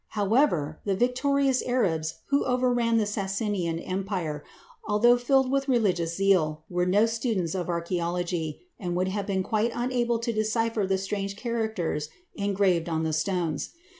However, the victorious Arabs who overran the Sassanian Empire, although filled with religious zeal, were no students of archæology, and would have been quite unable to decipher the strange characters engraved on the stones.